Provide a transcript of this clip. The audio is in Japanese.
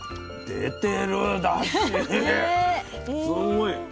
すごい。